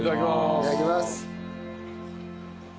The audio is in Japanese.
いただきます。